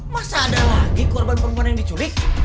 masa ada lagi korban perempuan yang diculik